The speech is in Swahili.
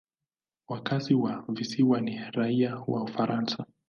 Wakazi wa visiwa ni raia wa Ufaransa.